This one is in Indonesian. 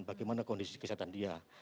bagaimana kondisi kesehatan dia